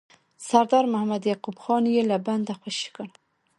سردار محمد یعقوب خان یې له بنده خوشي کړ.